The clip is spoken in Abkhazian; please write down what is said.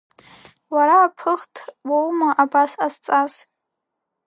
Уара аԥыхҭ уоума абас ҟазҵаз…